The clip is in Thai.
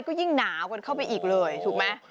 ก็ยิ่งหนาก็เข้าไปอีกเลยค่ะ